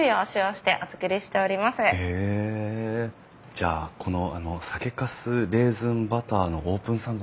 じゃあこの酒かすレーズンバターのオープンサンド